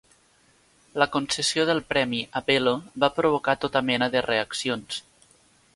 La concessió del premi a Belo va provocar tota mena de reaccions.